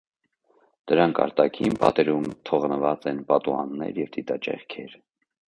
Դրանք արտաքին պատերում թողնված են պատուհաններ և դիտաճեղքեր։